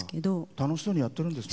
楽しそうにやってるんですね。